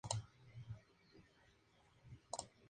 Específicamente usa la de Creative Commons.